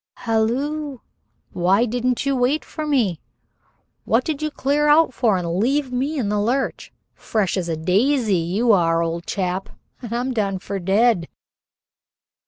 "Halloo! Why didn't you wait for me? What did you clear out for and leave me in the lurch? Fresh as a daisy, you are, old chap, and I'm done for, dead."